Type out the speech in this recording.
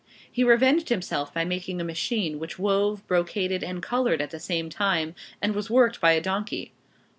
He revenged himself by making a machine which wove, brocaded, and colored at the same time, and was worked by a donkey!